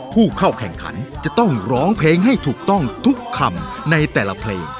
ผู้เข้าแข่งขันจะต้องร้องเพลงให้ถูกต้องทุกคำในแต่ละเพลง